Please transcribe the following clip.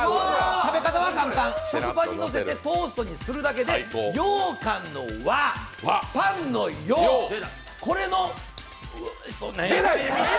食べ方は簡単、食パンにのせてトーストにするだけでようかんの和、パンの洋出ない！